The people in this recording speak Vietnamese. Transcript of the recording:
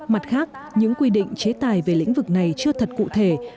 mặt khác những quy định chế tài về lĩnh vực này chưa thật cụ thể